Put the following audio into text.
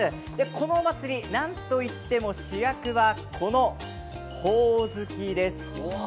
このお祭り、なんといっても主役はこの、ほおずきです。